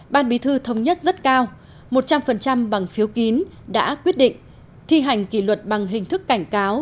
ban bí thư thống nhất rất cao một trăm linh bằng phiếu kín đã quyết định thi hành kỷ luật bằng hình thức cảnh cáo